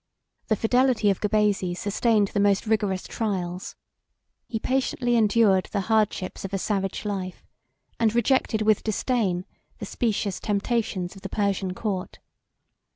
The fidelity of Gubazes sustained the most rigorous trials. He patiently endured the hardships of a savage life, and rejected with disdain, the specious temptations of the Persian court.